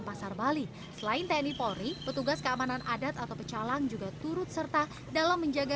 pasar bali selain tni polri petugas keamanan adat atau pecalang juga turut serta dalam menjaga